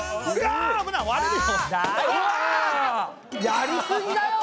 やりすぎだよ！